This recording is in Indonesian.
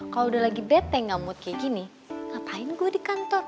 kalau udah lagi beteng gak mood kayak gini ngapain gue di kantor